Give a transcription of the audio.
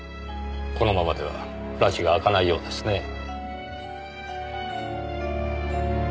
このままではらちがあかないようですねぇ。